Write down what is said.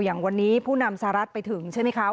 อย่างวันนี้ผู้นำสหรัฐไปถึงใช่ไหมคะ